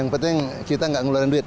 yang penting kita nggak ngeluarin duit